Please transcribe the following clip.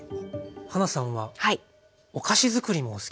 はなさんはお菓子づくりもお好きだと。